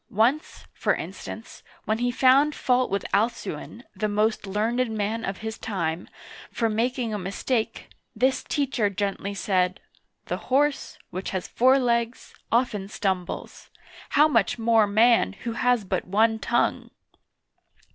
^ Once, for instance, when he found fault with Al'cuin — the most learned man of his time — for making a mistake, this teacher gently said :" The horse, which has four legs, often stumbles; how much more man, who has but one tongue